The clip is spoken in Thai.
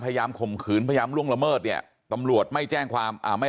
ข่มขืนพยายามล่วงละเมิดเนี่ยตำรวจไม่แจ้งความอ่าไม่